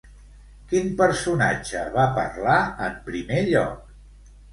Quin personatge va parlar en primer lloc?